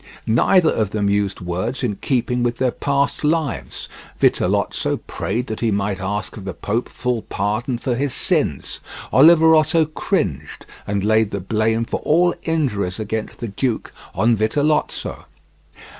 Neither of them used words in keeping with their past lives: Vitellozzo prayed that he might ask of the pope full pardon for his sins; Oliverotto cringed and laid the blame for all injuries against the duke on Vitellozzo.